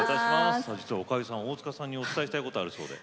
実はおかゆさん大塚さんにお伝えしたいことあるそうで。